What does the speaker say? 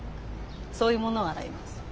そういうものを洗います。